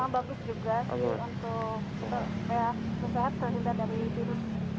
bagus juga sih untuk kita sehat terhadap diri